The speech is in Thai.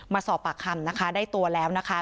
มาสอบปากคำนะคะได้ตัวแล้วนะคะ